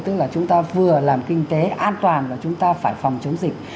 tức là chúng ta vừa làm kinh tế an toàn và chúng ta phải phòng chống dịch